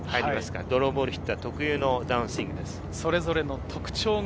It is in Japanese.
ドローボールヒッター特有のダウンスイングです。